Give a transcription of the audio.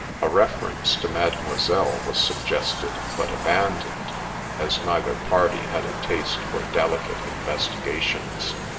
A reference to Mademoiselle was sug gested, but abandoned, as neither party had a taste for delicate investigations.